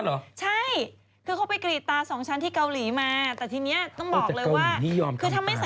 น้อนคุณเด็กที่เล่น